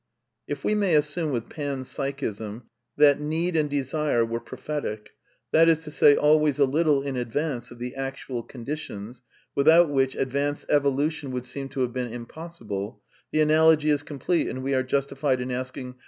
If we may assume with Pan Psychism that need and de sire were prophetic; that is to say, always a little in ad vance of the actual conditions, without which advance evo lution would seem to have been impossible, the analogy is complete, and we are justified in asking.